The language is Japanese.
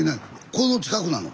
この近くなの？